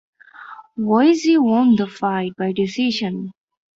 Wisse won the fight by decision.